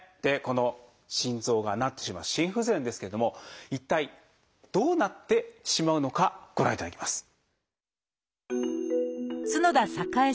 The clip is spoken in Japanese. この心臓がなってしまう心不全ですけれども一体どうなってしまうのかご覧いただきます。